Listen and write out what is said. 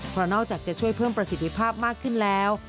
เพราะนอกจากจะช่วยเพิ่มประสิทธิภาพมากขึ้นแล้ว